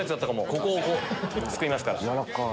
ここをすくいますから。